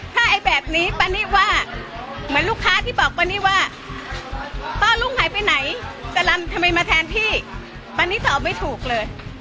ถ้าแบบนี้ปันนี่ว่าเหมือนลูกค้าที่บอกปันนี่ว่าตลาดโต้รุ่งหายไปไหนทำไมมาแทนพี่ปันนี่ตอบไม่ถูกเลย